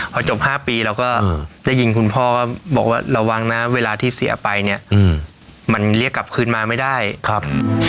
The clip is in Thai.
พอจบห้าปีเราก็ได้ยินคุณพ่อก็บอกว่าระวังนะเวลาที่เสียไปเนี้ยอืมมันเรียกกลับคืนมาไม่ได้ครับ